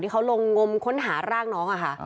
เขาลงงมค้นหาร่างน้องค่ะ